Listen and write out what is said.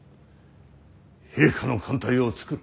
陛下の艦隊を造る。